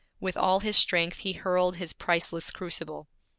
With all his strength he hurled his priceless crucible.